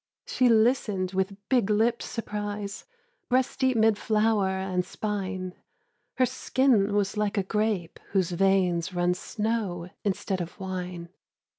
She listened with big lipped surprise, Breast deep 'mid flower and spine: Her skin was like a grape, whose veins Run snow instead of wine.